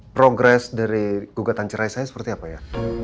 progres dari gugatan cerai saya seperti apa ya